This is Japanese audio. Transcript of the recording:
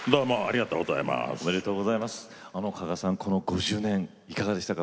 この５０年いかがでしたか？